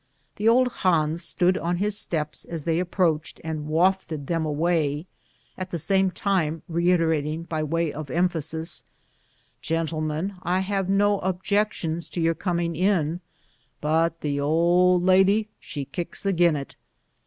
The old Hans stood on his steps as they approached and wafted them away, at the same time reiterating, by way of emphasis, " Gentle mens, I have no objections to your coming in, but the old lady she kicks agin it."